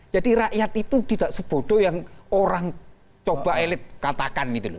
jadi rakyat itu tidak sebodoh yang orang coba elit katakan nih dulu